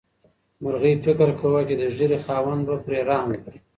مرغۍ فکر کاوه چې د ږیرې خاوند به پرې رحم وکړي.